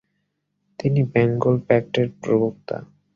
তিনি ব্যাঙ্গল প্যাক্ট এর প্রবক্তা।